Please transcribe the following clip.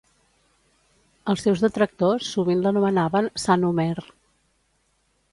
Els seus detractors sovint l'anomenaven "Sant Homer".